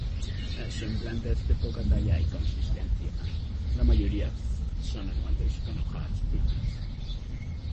Son plantas de poca talla y consistencia, la mayoría son anuales, con hojas planas.